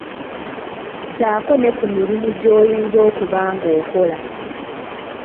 Ssaako ne ku mulimu gy'oyinza okuba ng'okola.